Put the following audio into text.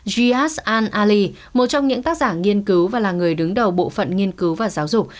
g s an ali một trong những tác giả nghiên cứu và là người đứng đầu bộ phận nghiên cứu và giáo dục